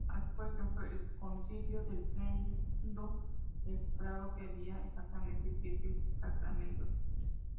Así, por ejemplo, el Concilio de Trento declaró que había exactamente siete sacramentos.